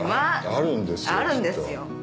あるんですよ。